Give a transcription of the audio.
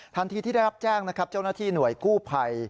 ทันทีที่ได้รับแจ้งเจ้าหน้าที่หน่วยกู้ภัย